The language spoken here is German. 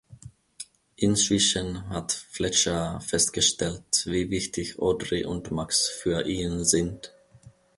Inzwischen hat Fletcher festgestellt, wie wichtig Audrey und Max für ihn sind.